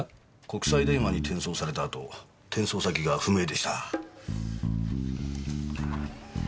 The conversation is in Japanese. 国際電話に転送されたあと転送先が不明でした。